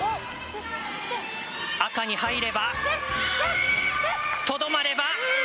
赤に入ればとどまれば。